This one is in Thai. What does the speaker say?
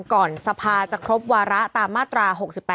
ก่อนสภาจะครบวาระตามมาตรา๖๘